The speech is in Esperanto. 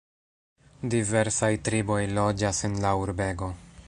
Diversaj triboj loĝas en la urbego.